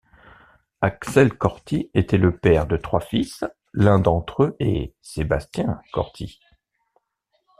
Axel Corti était le père de trois fils, l'un d'entre eux est Sebastian Corti.